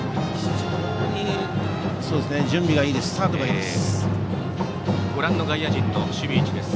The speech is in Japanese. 非常に準備がいいです。